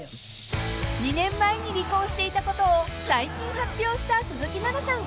［２年前に離婚していたことを最近発表した鈴木奈々さん］